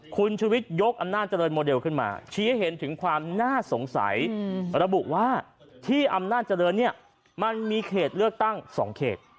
คุณชุวิตยกอำนาจเจริญโมเดลขึ้นมาชี้ให้เห็นถึงความน่าสงสัยระบุว่าที่อำนาจเจริญเนี่ยมันมีเขตเลือกตั้ง๒เขต